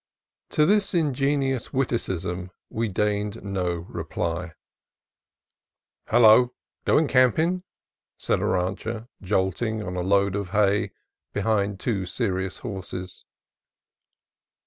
To this ingenious witticism we deigned no reply. "Hello! — goin' campin'?" said a rancher, jolting on a load of hay behind two serious horses.